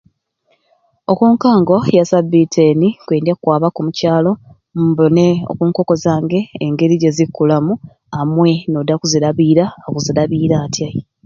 Okunkango ya sabiti eni nkwendya kwaba ku mu kyalo mbone oku nkoko zange engeri gyezikukulamu amwei nodi akuzirabira akuzirabira atyai